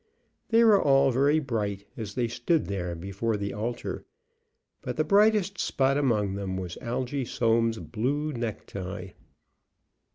They were all very bright, as they stood there before the altar, but the brightest spot among them was Algy Soames's blue necktie.